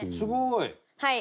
はい。